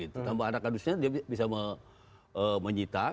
tanpa ada kasusnya dia bisa menyita